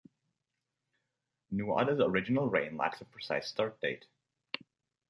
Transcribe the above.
Nuada's original reign lacks a precise start date.